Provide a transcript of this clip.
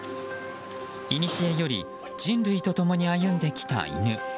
いにしえより人類と共に歩んできた犬。